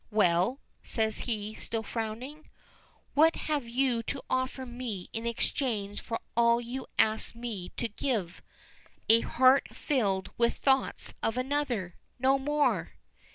"Well?" says he, still frowning. "What have you to offer me in exchange for all you ask me to give? A heart filled with thoughts of another! No more!